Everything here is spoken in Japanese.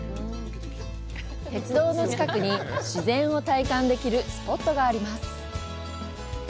鉄道の近くに自然を体感できるスポットがあります。